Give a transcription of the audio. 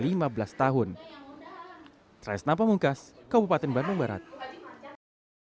tindak pidana penjualan orang tppo dengan ancaman hukuman penjara hingga lima belas tahun